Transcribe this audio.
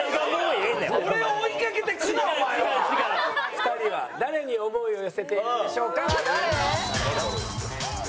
２人は誰に思いを寄せているんでしょうか？